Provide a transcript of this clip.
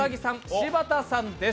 柴田さんです。